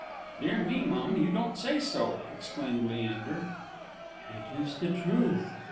"Dear me, mum; you don't say so!" exclaimed Leander. "It is the truth!